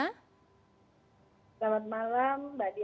selamat malam mbak diana